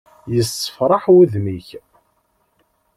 Yessefraḥ wudem-ik!